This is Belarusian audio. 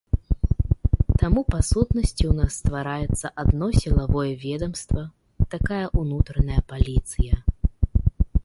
Таму па сутнасці ў нас ствараецца адно сілавое ведамства, такая ўнутраная паліцыя.